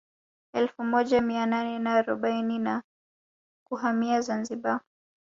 Elfu moja mia nane na arobaini na kuhamia Zanzibar